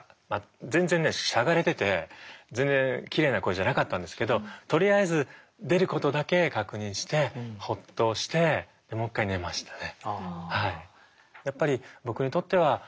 全然ねしゃがれてて全然きれいな声じゃなかったんですけどとりあえず出ることだけ確認してホッとしてもう一回寝ましたね。